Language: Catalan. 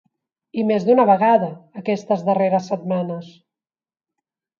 I més d’una vegada, aquestes darreres setmanes.